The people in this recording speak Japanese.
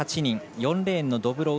４レーンのドブロウ